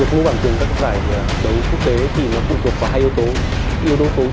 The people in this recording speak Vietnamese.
việc mua bản tiền các giải đấu quốc tế thì tụ thuộc vào hai yếu tố